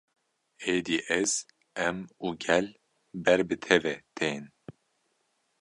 Êdî ez, em û gel ber bi te ve tên